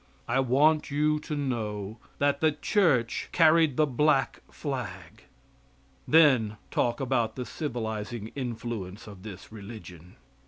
I want you to know that the church carried the black flag. Then talk about the civilizing influence of this religion!